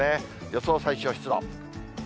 予想最小湿度。